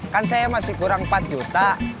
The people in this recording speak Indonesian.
kan saya masih kurang empat juta